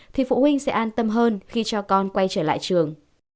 thì phụ huynh sẽ an tâm hơn khi cho con quay trở lại trường